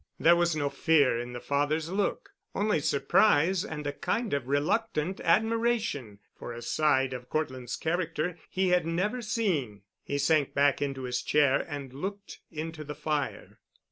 There was no fear in the father's look, only surprise and a kind of reluctant admiration for a side of Cortland's character he had never seen. He sank back into his chair and looked into the fire.